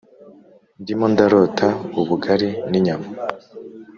ndimo ndarota ubugari n'inyama